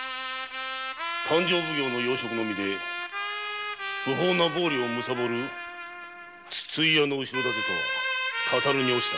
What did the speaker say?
勘定奉行の要職の身で不法な暴利をむさぼる筒井屋の後ろ盾とは語るに落ちたな。